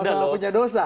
semua semua punya dosa